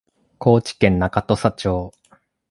高知県中土佐町